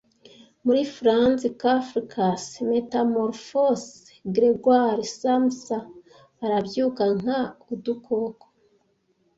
Muri Franz Kafkas Metamorphose Gregor Samsa arabyuka nka? Udukoko